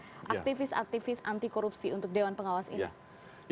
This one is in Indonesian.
apa yang akan dikatakan aktivis aktivis anti korupsi untuk dewan pengawas ini